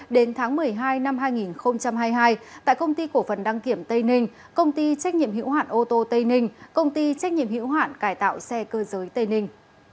đến tháng một mươi hai năm hai nghìn hai mươi hai tại công ty cổ phần đăng kiểm tây ninh công ty trách nhiệm hữu hạn ô tô tây ninh công ty trách nhiệm hữu hoạn cải tạo xe cơ giới tây ninh